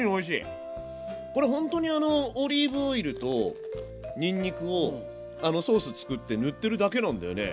これほんとにあのオリーブオイルとにんにくをあのソース作って塗ってるだけなんだよね。